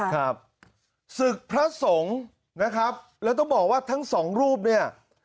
ครับศึกพระสงฆ์นะครับแล้วต้องบอกว่าทั้งสองรูปเนี่ย